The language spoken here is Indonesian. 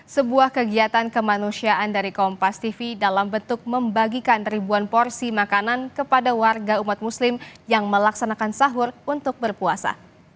sebuah kegiatan kemanusiaan dari kompas tv dalam bentuk membagikan ribuan porsi makanan kepada warga umat muslim yang melaksanakan sahur untuk berpuasa